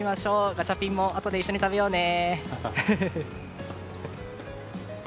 ガチャピンもあとで一緒に食べようね！